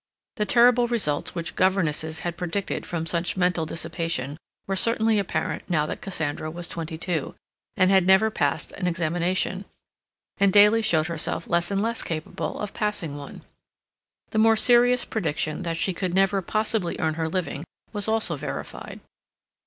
The terrible results which governesses had predicted from such mental dissipation were certainly apparent now that Cassandra was twenty two, and had never passed an examination, and daily showed herself less and less capable of passing one. The more serious prediction that she could never possibly earn her living was also verified.